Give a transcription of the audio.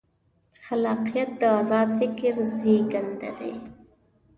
خلاقیت د ازاد فکر زېږنده دی.